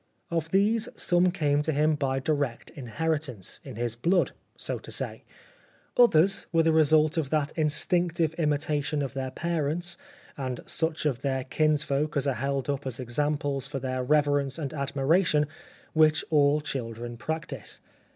Of these some came to him by direct inheritance in his blood, so to say ; others were the resu t of that instinctive imitation of their parents and such of their kinsfolk as are held up as examples for their reverence and admiration which all children practise.